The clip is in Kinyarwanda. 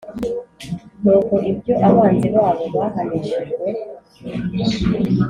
nuko ibyo abanzi babo bahanishijwe,